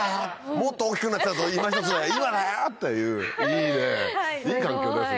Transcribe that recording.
もっと大きくなっちゃうといまひとつ今だよっていういいねいい環境ですね。